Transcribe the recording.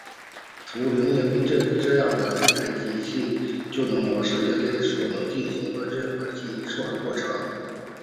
图灵认为这样的一台机器就能模拟人类所能进行的任何计算过程。